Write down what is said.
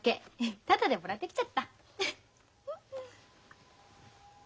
ただでもらってきちゃった。